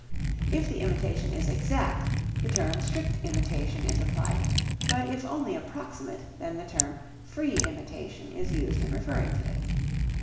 If the imitation is exact, the term strict imitation is applied, but if only approximate, then the term free imitation is used in referring to it.